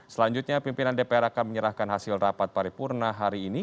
selanjutnya pimpinan dpr akan menyerahkan hasil rapat paripurna hari ini